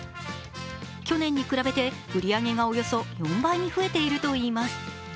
去年に比べて売り上げがおよそ４倍に増えているといいます。